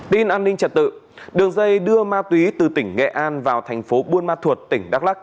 tin an ninh trật tự đường dây đưa ma túy từ tỉnh nghệ an vào thành phố buôn ma thuột tỉnh đắk lắc